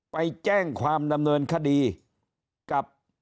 ไปแจ้งความดำเนินคดีกับ